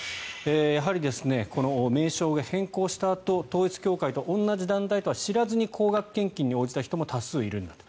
やはり、この名称が変更したあと統一教会と同じ団体とは知らずに高額献金に応じた人も多数いるんだと。